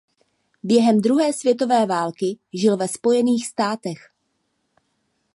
Během druhé světové války žil ve Spojených státech.